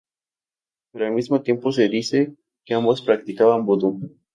Pero al mismo tiempo se dice que ambos practicaban vudú.